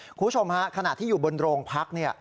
คุณผู้ชมฮะขณะที่อยู่บนโรงพักเนี่ย